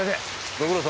ご苦労様。